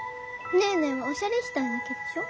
ネーネーはおしゃれしたいだけでしょ？